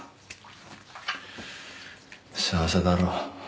幸せだろ。